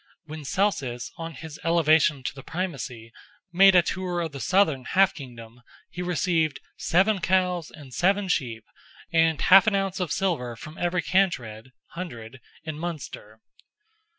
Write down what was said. When Celsus, on his elevation to the Primacy, made a tour of the southern half kingdom, he received "seven cows and seven sheep, and half an ounce of silver from every cantred [hundred] in Munster."